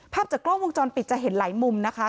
ภาพจากกล้องวงจรปิดจะเห็นหลายมุมนะคะ